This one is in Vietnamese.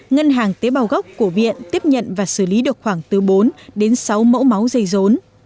ngân hàng tế bào gốc của viện tiếp nhận và xử lý được khoảng từ bốn đến sáu mẫu máu dây rốn